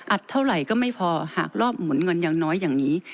เท่าไหร่ก็ไม่พอหากรอบหมุนเงินอย่างน้อยอย่างนี้